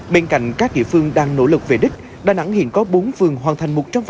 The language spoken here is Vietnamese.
bên cạnh các địa phương đang nỗ lực về đích đà nẵng hiện có bốn phường hoàn thành một trăm linh